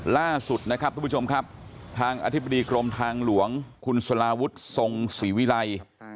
ล่าสุดนะครับทุกผู้ชมครับทางอธิบดีกรมทางหลวงคุณสลาวุฒิทรงศรีวิรัย